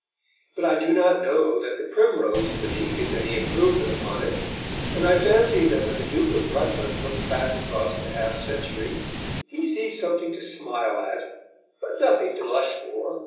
But I do not know that the Primrose League is any improvement upon it, and I fancy that when the Duke of Rutland looks back across the half century he sees something to smile at, but nothing to blush for.